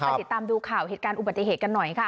ติดตามดูข่าวเหตุการณ์อุบัติเหตุกันหน่อยค่ะ